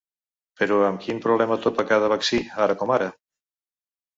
Però amb quin problema topa cada vaccí, ara com ara?